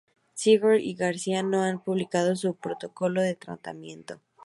Siller y García no han publicado su protocolo de tratamiento.